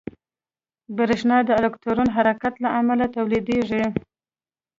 برېښنا د الکترون حرکت له امله تولیدېږي.